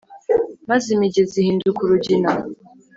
maze imigezi ihinduka urugina